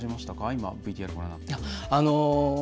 今、ＶＴＲご覧になって。